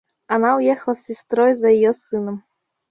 Она уехала с сестрой за ее сыном.